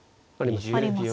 あります。